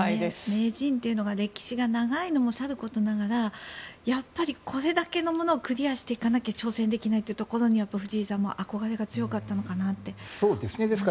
名人というのが歴史が長いのもさることながらやっぱり、これだけのものをクリアしていかなきゃ挑戦できないというところに藤井さんも憧れが強かったのかなと。